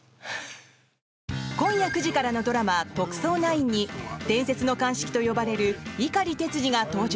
今夜９時からのドラマ「特捜９」に伝説の鑑識と呼ばれる猪狩哲治が登場。